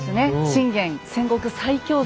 「信玄戦国最強説」